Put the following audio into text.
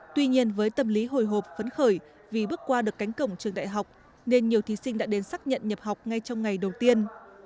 tuy nhiên với tâm lý hồi hộp phấn khởi vì bước qua được cánh cổng trường đại học nên nhiều thí sinh đã đến xác nhận nhập học ngay trong ngày đầu tiên